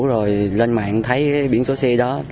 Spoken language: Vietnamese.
rồi lên mạng thấy biển số xe đó